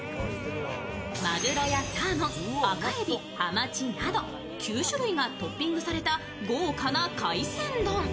マグロやサーモン、赤えびはまちなど９種類がトッピングされた豪華な海鮮丼。